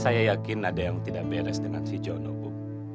saya yakin ada yang tidak beres dengan si jono bu